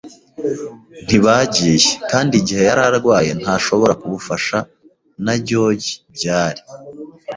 ntibagiye; kandi igihe yari arwaye ntashobora kubufasha, na George, byari